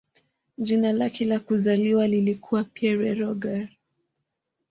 Jina lake la kuzaliwa lilikuwa "Pierre Roger".